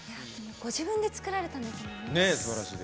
ご自分で作られたんですよね。